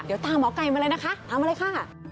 เดี๋ยวตามหมอไก่มาเลยนะคะตามมาเลยค่ะ